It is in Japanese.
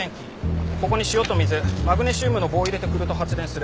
ここに塩と水マグネシウムの棒を入れて振ると発電する。